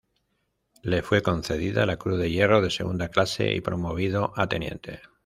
Le fue concedida la Cruz de Hierro de Segunda Clase y promovido a teniente.